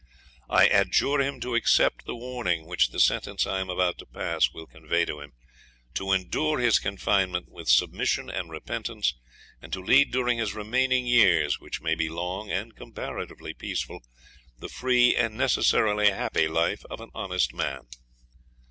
I adjure him to accept the warning which the sentence I am about to pass will convey to him, to endure his confinement with submission and repentance, and to lead during his remaining years, which may be long and comparatively peaceful, the free and necessarily happy life of an honest man.